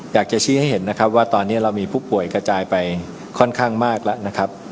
อยากจะชี้ให้เห็นนะครับว่าตอนนี้เรามีผู้ป่วยกระจายไปค่อนข้างมากแล้วนะครับ